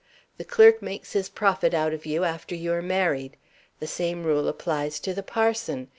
The clerk makes his profit out of you, after you are married. The same rule applies to the parson.